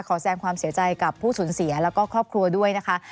แสดงความเสียใจกับผู้สูญเสียแล้วก็ครอบครัวด้วยนะคะ